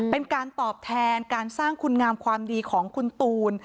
เป็นการตอบแทนการสร้างคุณงามความดีของคุณตูน